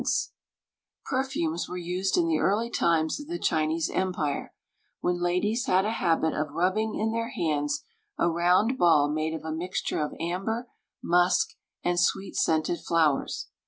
= Perfumes were used in the early times of the Chinese Empire, when ladies had a habit of rubbing in their hands a round ball made of a mixture of amber, musk, and sweet scented flowers.